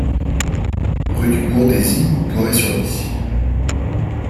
Rue du Bourdaisy au Poiré-sur-Vie